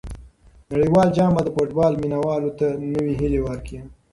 نړیوال جام به د فوټبال مینه والو ته نوې هیلې ورکړي.